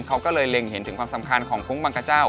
เขาก็เลยเล็งเห็นถึงความสำคัญของฟุ้งบังกะเจ้า